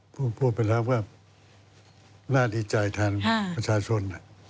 พูดไปแล้วว่าน่าดีใจแทนประชาชน